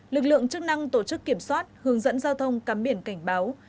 lực lượng chức năng tổ chức kiểm soát hướng dẫn giao thông cắm biển cảnh báo